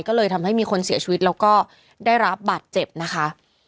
ก็เลยทำให้มีคนเสียชีวิตแล้วก็ได้รับบาดเจ็บนะคะ